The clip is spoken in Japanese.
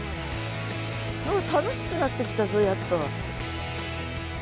楽しくなってきたぞやっと。